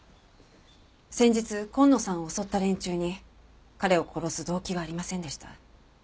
先日今野さんを襲った連中に彼を殺す動機がありませんでした。